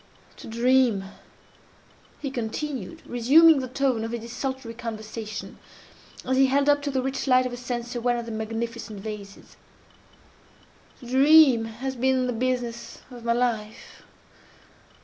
"To dream," he continued, resuming the tone of his desultory conversation, as he held up to the rich light of a censer one of the magnificent vases—"to dream has been the business of my life.